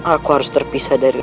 aku harus terpisah dari